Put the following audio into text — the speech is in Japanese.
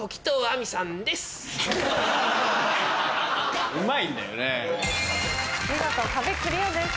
見事壁クリアです。